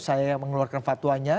saya yang mengeluarkan fatwanya